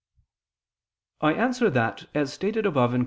I answer that, As stated above (Q.